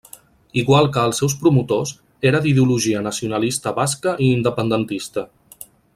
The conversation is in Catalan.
Igual que els seus promotors, era d'ideologia nacionalista basca i independentista.